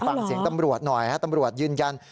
ฟังเสียงตำรวจหน่อยฮะตำรวจยืนยัน